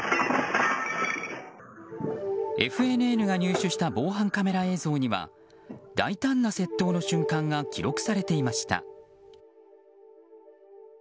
ＦＮＮが独自入手した防犯カメラ映像には大胆な窃盗の瞬間が記録されていました。